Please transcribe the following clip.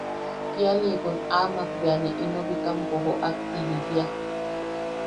Kialiʼikun amak bea ne ino Bikampo joʼak ti jijia.